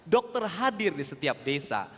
dokter hadir di setiap desa